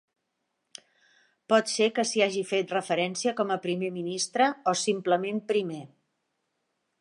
Pot ser que s'hi hagi fet referència com a primer ministre, o simplement primer.